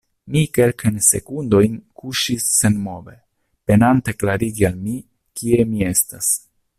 Mi kelkajn sekundojn kuŝis senmove, penante klarigi al mi, kie mi estas.